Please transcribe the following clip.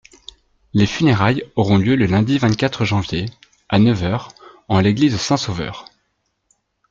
Les funérailles auront lieu le Lundi vingt-quatre Janvier, à neuf heures, en l'église Saint-Sauveur.